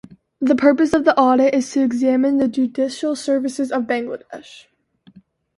The purpose of the audit is to examine the judicial services of Bangladesh.